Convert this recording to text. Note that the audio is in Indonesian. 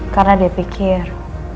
karena dia pikir